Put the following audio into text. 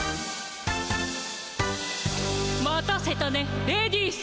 待たせたねレディース。